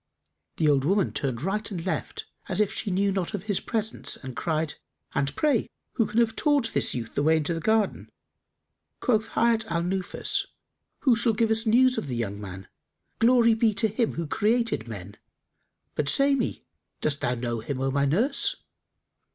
The old woman turned right and left, as if she knew not of his presence, and cried, "And pray, who can have taught this youth the way into this garden?" Quoth Hayat al Nufus, "Who shall give us news of the young man? Glory be to Him who created men! But say me, dost thou know him, O my nurse?"